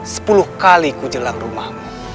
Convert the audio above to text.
sepuluh kali ku jelang rumahmu